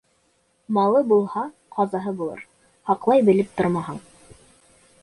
Малы булһа, ҡазаһы булыр, һаҡлай белеп тормаһаң.